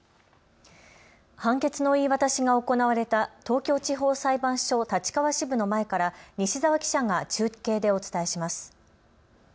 判決の言い渡しが行われた東京地方裁判所立川支部の前から西澤記者が中継でお伝えします。